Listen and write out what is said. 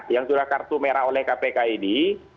yang sudah kartu merah oleh kpk ini